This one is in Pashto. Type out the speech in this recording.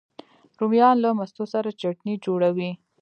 رومیان له مستو سره چټني جوړوي